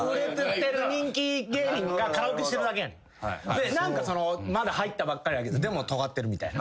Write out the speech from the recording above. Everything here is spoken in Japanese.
でまだ入ったばっかりやけどでもとがってるみたいな。